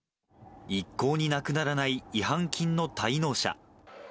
一向になくならない違反金の滞納者。